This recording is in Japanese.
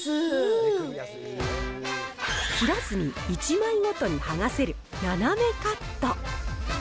切らずに１枚ごとに剥がせるななめカット。